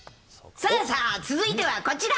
さあさあ、続いてはこちら。